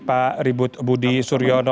pak ribut budi suryono